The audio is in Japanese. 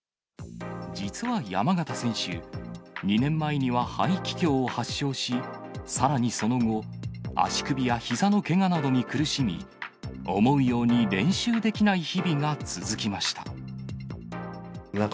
実は山縣選手、２年前には肺気胸を発症し、さらにその後、足首やひざのけがなどに苦しみ、思うように練習できない日々が続きました。